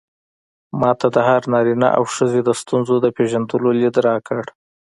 ما ته د هر نارينه او ښځې د ستونزو د پېژندو ليد راکړ.